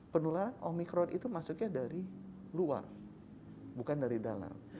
penularan omikron itu masuknya dari luar bukan dari dalam